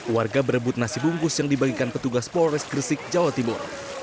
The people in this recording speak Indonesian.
warga berebut nasi bungkus yang dibagikan petugas polres gresik jawa timur